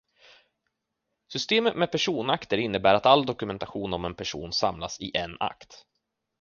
Systemet med personakter innebär att all dokumentation om en person samlas i en akt.